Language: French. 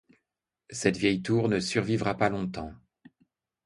Cette vieille tour ne survivra pas longtemps.